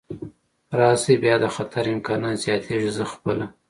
راشي، بیا د خطر امکانات زیاتېږي، زه خپله.